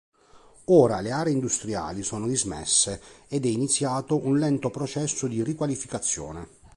Ora le aree industriali sono dismesse ed è iniziato un lento processo di riqualificazione.